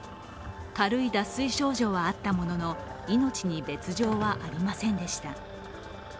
軽い脱水症状はあったものの、命に別状はありませんでした。